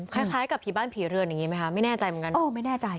คล้ายคล้ายกับผีบ้านผีเรืองอย่างงี้ไหมคะไม่แน่ใจเหมือนกัน